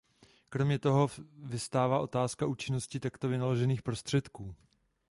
Kromě toho vyvstává otázka účinnosti takto vynaložených prostředků.